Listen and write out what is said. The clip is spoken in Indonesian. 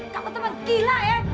kamu teman gila ya